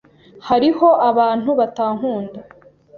Hariho abantu batankunda.